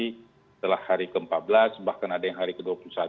setelah hari ke empat belas bahkan ada yang hari ke dua puluh satu